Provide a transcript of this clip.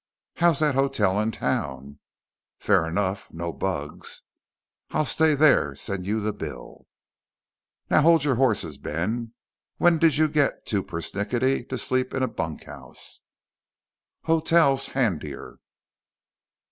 "How's that hotel in town?" "Fair enough. No bugs." "I'll stay there, send you the bill." "Now hold your horses," Ben said. "When did you get too persnickety to sleep in a bunkhouse?" "Hotel's handier."